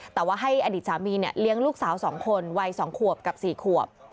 แต่ว่าให้อดีตสามีเลี้ยงลูกสาว๒คนวัย๒ขวบกับ๔ขวบ